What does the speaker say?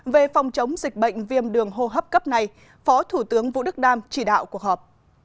về phòng chống dịch bệnh viêm đường hô hấp cấp này phó thủ tướng vũ đức đam chỉ đạo cuộc họp